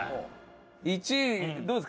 １位どうですか？